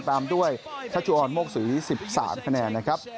ตามด้วยทัชัวร์โมกสุรี๑๓คะแนน